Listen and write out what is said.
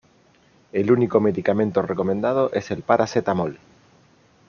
El único medicamento recomendado es el paracetamol.